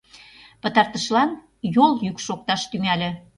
Пытартышлан йол йӱк шокташ тӱҥале.